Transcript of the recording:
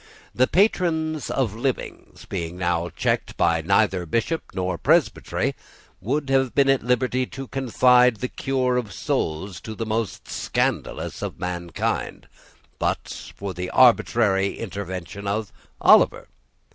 The patrons of livings, being now checked by neither Bishop nor Presbytery, would have been at liberty to confide the cure of souls to the most scandalous of mankind, but for the arbitrary intervention of Oliver.